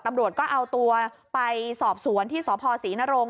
ตำรวจก็เอาตัวไปสอบสวนที่สพศรีนรงค